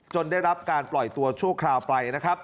จนได้รับการปล่อยตัวชั่วคราวไป